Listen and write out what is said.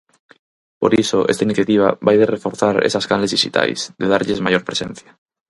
Por iso esta iniciativa vai de reforzar esas canles dixitais, de darlles maior presenza.